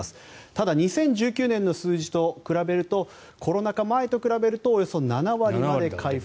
ただ２０１９年の数字と比べるとコロナ禍前と比べるとおよそ７割まで回復。